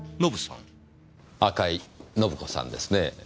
赤井のぶ子さんですねぇ。